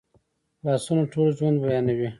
لاسونه ټول ژوند بیانوي